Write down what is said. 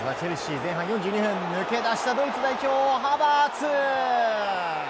前半４２分抜け出したドイツ代表、ハバーツ。